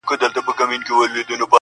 مرګ د اوبو وار دی نن پر ما سبا پر تا -